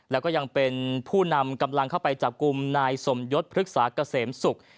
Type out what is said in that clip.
แล้วก็ยังเป็นผู้นำกำลังเข้าไปจับกลุ่มนายสมยศพฤกษาเกษมศุกร์